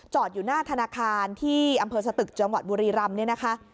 อยู่หน้าธนาคารที่อำเภอสตึกจังหวัดบุรีรำเนี่ยนะคะ